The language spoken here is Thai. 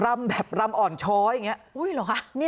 รำแบบรำอ่อนช้อยอย่างนี้